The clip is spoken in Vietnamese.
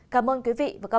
cảm ơn quý vị và các bạn